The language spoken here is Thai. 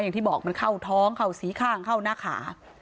อย่างที่บอกมันเข้าท้องเข้าสีข้างเข้าหน้าขา